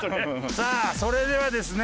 さあそれではですね